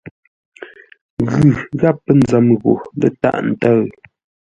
Ghʉ gháp pə́ nzəm ghô lə́ tâʼ ntə̂ʉ.